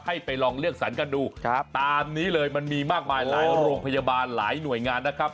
ไปลองเลือกสรรกันดูตามนี้เลยมันมีมากมายหลายโรงพยาบาลหลายหน่วยงานนะครับ